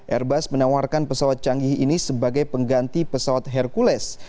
airbus menawarkan pesawat canggih ini sebagai pengganti pesawat hercules